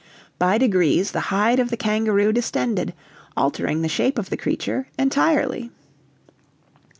By degrees the hide of the kangaroo distended, altering the shape of the creature entirely.